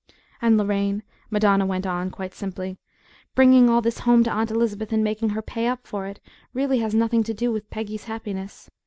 "And, Lorraine," Madonna went on, quite simply, "bringing all this home to Aunt Elizabeth and making her pay up for it really has nothing to do with Peggy's happiness.